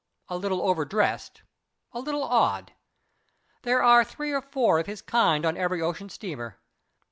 A little over dressed a little odd. There are three or four of his kind on every ocean steamer.